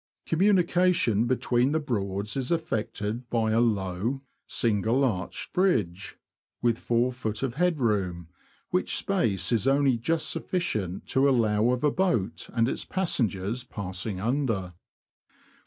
Communication between the Broads is effected by a low, 114 THE LAND OF THE BROADS. single arched bridge, with 4ft. of head room, which space is only just sufficient to allow of a boat and its passengers passing under.